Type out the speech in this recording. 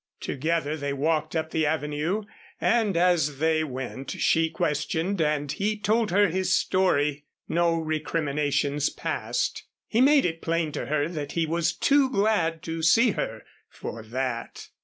Together they walked up the Avenue, and, as they went, she questioned and he told her his story. No recriminations passed. He made it plain to her that he was too glad to see her for that.